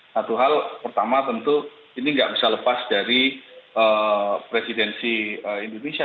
satu hal pertama tentu ini nggak bisa lepas dari presidensi indonesia